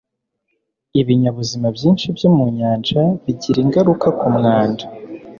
ibinyabuzima byinshi byo mu nyanja bigira ingaruka ku mwanda